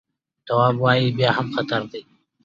تواب وويل: بیا هم خطر دی.